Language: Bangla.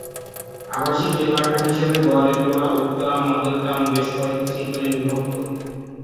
আবাসিক এলাকা হিসাবে গড়ে তোলা উত্তরা মডেল টাউন বেশ কয়েকটি সেক্টরে বিভক্ত।